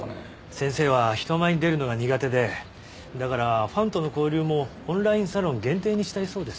先生は人前に出るのが苦手でだからファンとの交流もオンラインサロン限定にしたいそうです。